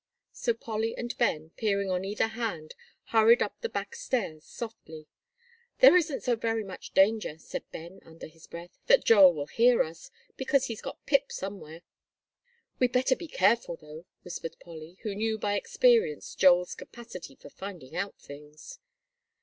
So Polly and Ben, peering on either hand, hurried up the back stairs, softly. "There isn't so very much danger," said Ben, under his breath, "that Joel will hear us, because he's got Pip somewhere." "We better be careful, though," whispered Polly, who knew by experience Joel's capacity for finding out things.